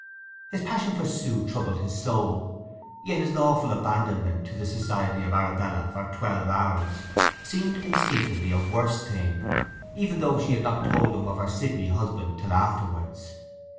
His passion for Sue troubled his soul; yet his lawful abandonment to the society of Arabella for twelve hours seemed instinctively a worse thing—even though she had not told him of her Sydney husband till afterwards.